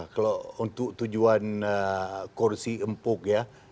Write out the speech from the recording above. kalau untuk tujuan kursi empuk ya